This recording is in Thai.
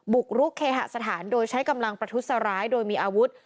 บุกรุกเคหสถานโดยใช้กำลังประทุษร้ายโดยมีอาวุธ